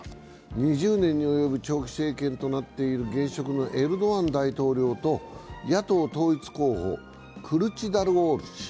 ２０年に及ぶ長期政権となっている現職のエルドアン大統領と野党統一候補、クルチダルオール氏。